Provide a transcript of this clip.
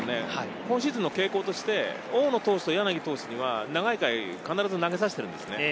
今シーズンの傾向として大野投手と柳投手は７回、大体投げさせているんですよね。